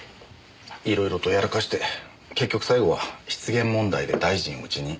色々とやらかして結局最後は失言問題で大臣を辞任。